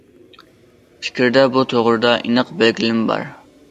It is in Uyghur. پىكىردە بۇ توغرىدا ئېنىق بەلگىلىمە بار.